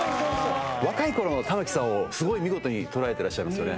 若いころの玉置さんを、すごい見事に捉えてらっしゃいますよね。